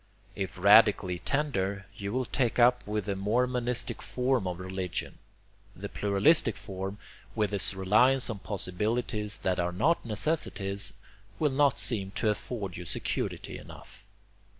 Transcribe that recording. If radically tender, you will take up with the more monistic form of religion: the pluralistic form, with its reliance on possibilities that are not necessities, will not seem to afford you security enough.